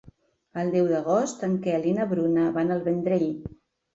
El deu d'agost en Quel i na Bruna van al Vendrell.